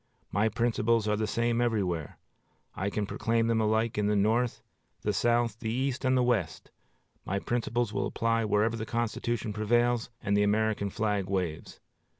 My principles are the same everywhere. I can proclaim them alike in the North, the South, the East, and the West. My principles will apply wherever the Constitution prevails and the American flag waves.